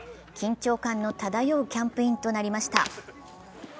緊張感の漂うキャンプインとなりました。